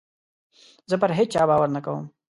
زه پر هېچا باور نه کوم.